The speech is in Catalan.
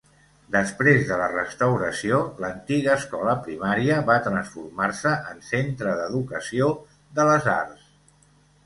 Després de la restauració l'antiga escola primària va transformar-se en centre d'educació de les arts.